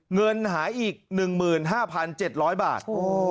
เงินหายอีก๑๕๗๐๐บาท